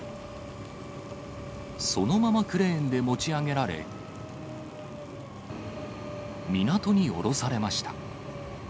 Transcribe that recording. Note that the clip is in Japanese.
そのままクレーンで持ち上げられ、港におろされました。